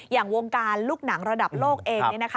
อย่างวงการลูกหนังระดับโลกเอง